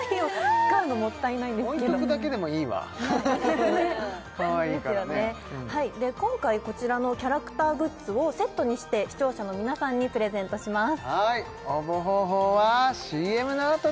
使うのもったいないんですけど置いとくだけでもいいわかわいいからね今回こちらのキャラクターグッズをセットにして視聴者の皆さんにプレゼントします